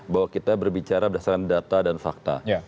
bahwa kita berbicara berdasarkan data dan fakta